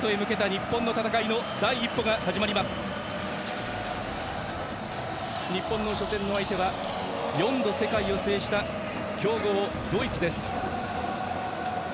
日本の初戦の相手は４度世界を制した強豪ドイツです。